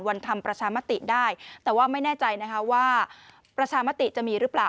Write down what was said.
ทำประชามติได้แต่ว่าไม่แน่ใจนะคะว่าประชามติจะมีหรือเปล่า